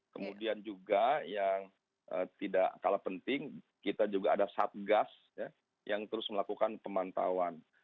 kemudian juga yang tidak kalah penting kita juga ada satgas yang terus melakukan pemantauan